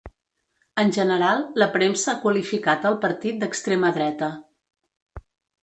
En general, la premsa ha qualificat al partit d'extrema dreta.